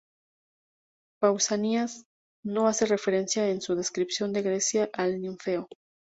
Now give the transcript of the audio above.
Pausanias no hace referencia en su "Descripción de Grecia" al Ninfeo.